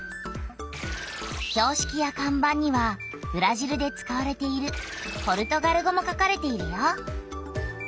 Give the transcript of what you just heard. ひょうしきやかん板にはブラジルで使われているポルトガル語も書かれているよ。